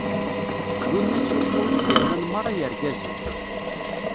Winna s wacu i ttgallan meṛṛa yirgazen.